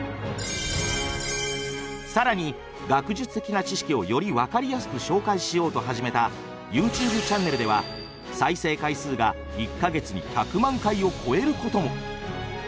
更に「学術的な知識をより分かりやすく紹介しよう」と始めたＹｏｕＴｕｂｅチャンネルでは再生回数が１か月に１００万回を超えることも。